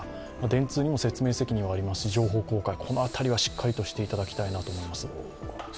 電通にも説明責任がありますし、情報公開はしっかりとしていただきたい。